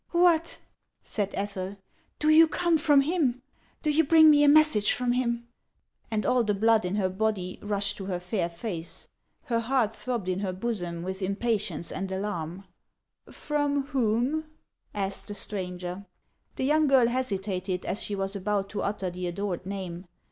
" What :" said Ethel ;" do you come from him ? Do you bring me a message from him ?" And all the blood in her body rushed to her fair face ; her heart throbbed in her bosom with impatience and alarm. " From whom ?" asked the stranger. The young girl hesitated as she was about to utter the adored name.